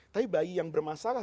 tapi bayi yang bermasalah